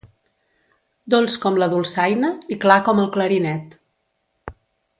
Dolç com la dolçaina, i clar com el clarinet.